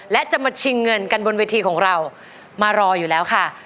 และจะมาชิงเงินกันบนเวทีของเรามารออยู่แล้วค่ะ